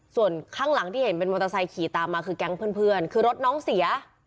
ส่วนข้างหลังที่เห็นเป็นมอเตอร์ไซค์ขี่ตามมาคือแก๊งเพื่อนคือรถน้องเสีย